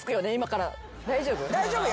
大丈夫？